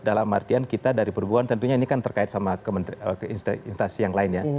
dalam artian kita dari perhubungan tentunya ini kan terkait sama instansi yang lain ya